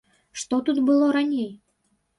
Што тут было раней?